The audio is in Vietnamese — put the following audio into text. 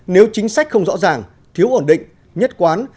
nếu chính sách không rõ ràng thiếu ổn định nhất quán